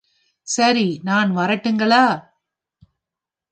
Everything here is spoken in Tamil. சரி நான் வரட்டுங்களா?......